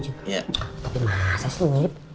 tapi masa sih lu mirip